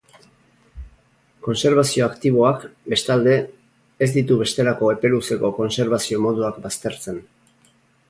Kontserbazio aktiboak, bestalde, ez ditu bestelako epe luzeko kontserbazio moduak baztertzen.